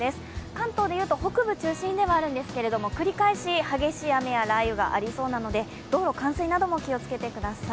関東でいうと北部中心ではあるんですけれども引き続き激しい雷雨がある予想なので道路、冠水なども気をつけてください。